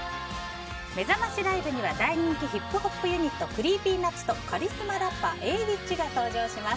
めざましライブには大人気ヒップホップユニットＣｒｅｅｐｙＮｕｔｓとカリスマラッパーＡｗｉｃｈが登場します。